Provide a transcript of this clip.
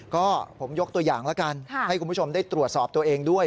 ก็ผมยกตัวอย่างแล้วกันให้คุณผู้ชมได้ตรวจสอบตัวเองด้วย